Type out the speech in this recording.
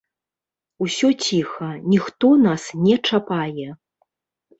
Усё ціха, ніхто нас не чапае.